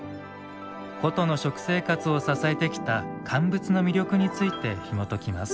古都の食生活を支えてきた乾物の魅力についてひもときます。